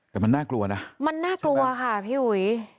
แต่มันน่ากลัวนะมันน่ากลัวค่ะพี่อุ๋ย